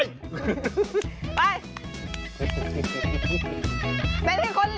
เต้นให้คนเหลวเต้นให้คนเหลว